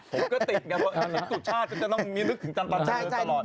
ผมก็ติดเพราะสุชาติจะต้องมีนึกถึงจรรพาจันทร์เลยตลอด